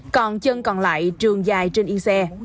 còn chân còn lại trường dài trên yên xe